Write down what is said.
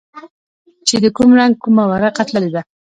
چې د کوم رنگ کومه ورقه تللې ده.